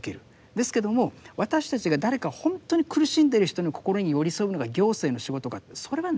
ですけども私たちが誰かほんとに苦しんでいる人の心に寄り添うのが行政の仕事かというとそれはないんですよ。